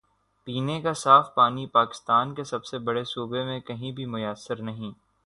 پینے کا صاف پانی پاکستان کے سب سے بڑے صوبے میں کہیں بھی میسر نہیں۔